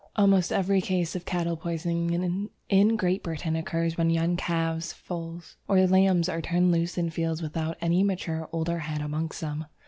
Almost every case of cattle poisoning in Great Britain occurs when young calves, foals, or lambs are turned loose in the fields without any mature older head amongst them.